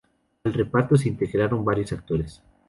Al reparto se integraron varios actores.